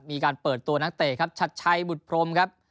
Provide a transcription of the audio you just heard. มีการเปิดตัวนักเตะครับชัดชัยบุตรพรมครับ